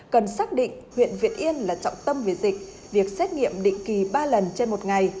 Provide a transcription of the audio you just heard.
cần xác định huyện việt yên là trọng tâm về dịch việc xét nghiệm định kỳ ba lần trên một ngày